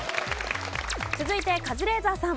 続いてカズレーザーさん。